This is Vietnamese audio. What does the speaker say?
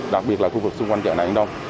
đặc biệt là khu vực xung quanh chợ này đông